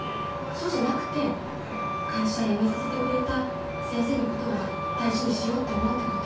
そうじゃなくて会社辞めさせてくれた先生のことは大事にしようって思うってこと。